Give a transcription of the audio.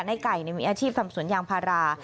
ในไก่มีอาชีพทำสวนยางพารา